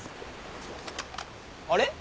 あれ？